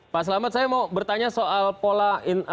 pak selamat saya mau bertanya soal pola